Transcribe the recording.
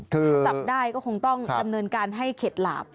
ถ้าจับได้ก็คงต้องดำเนินการให้เข็ดหลาบ